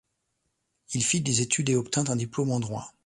Il fit des études et obtint un diplôme en droit.